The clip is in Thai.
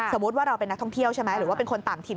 สมมุติว่าเราเป็นนักท่องเที่ยวใช่ไหมหรือว่าเป็นคนต่างถิ่น